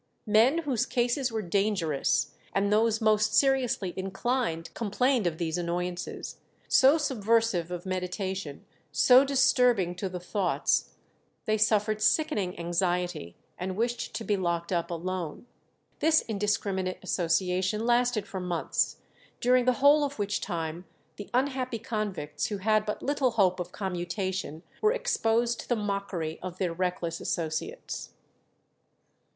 "Men whose cases were dangerous, and those most seriously inclined, complained of these annoyances," so subversive of meditation, so disturbing to the thoughts; they suffered sickening anxiety, and wished to be locked up alone. This indiscriminate association lasted for months, during the whole of which time the unhappy convicts who had but little hope of commutation were exposed to the mockery of their reckless associates.